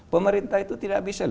pemerintah itu tidak bisa